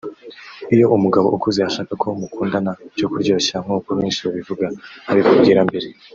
Iyo umugabo ukuze ashaka ko mukundana byo kuryoshya nkuko benshi babivuga abikubwira mbere